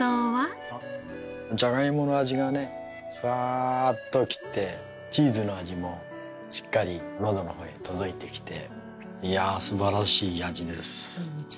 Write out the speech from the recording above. じゃがいもの味がねサーッときてチーズの味もしっかりのどのほうへ届いてきていや素晴らしい味です。